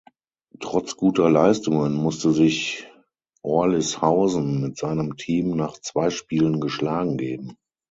Trotz guter Leistungen musste sich Orlishausen mit seinem Team nach zwei Spielen geschlagen geben.